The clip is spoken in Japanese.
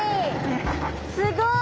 すごい！